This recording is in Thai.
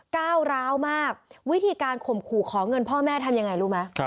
ก้าวร้าวมากวิธีการข่มขู่ขอเงินพ่อแม่ทำยังไงรู้ไหม